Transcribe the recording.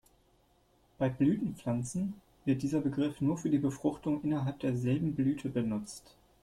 Bei Blütenpflanzen wird dieser Begriff nur für die Befruchtung innerhalb derselben Blüte benutzt.